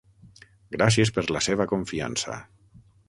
Gràcies per la seva confiança.